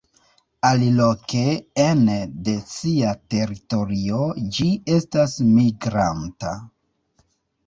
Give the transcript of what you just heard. Aliloke ene de sia teritorio ĝi estas migranta.